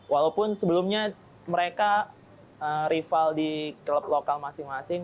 walaupun sebelumnya mereka rival di klub lokal masing masing